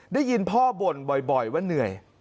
ได้ยินพ่อบ่นบ่อยว่าเหนื่อย